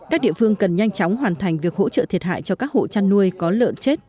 các địa phương cần nhanh chóng hoàn thành việc hỗ trợ thiệt hại cho các hộ chăn nuôi có lợn chết